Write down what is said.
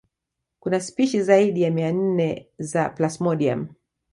Kuna spishi zaidi ya mia nne za plasmodium